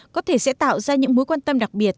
có thể sẽ tạo ra những mối quan tâm đặc biệt